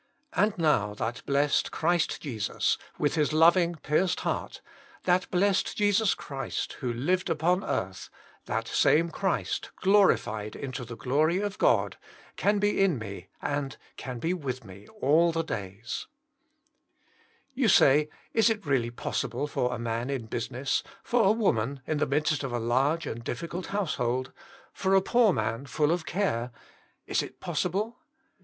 And now that blessed Christ Jesus, with His loving, pierced heart; 42 Jesus Himself: that blessed Jesus Christ, who lived upon earth ; that same Christ glorified into the glory of God, can be in me and Can be wftb me all tbe Dai^a* You say, Is it really possible for a man in business, for a woman in the midst of a large and difficult household, for a poor man full of care; is it possible?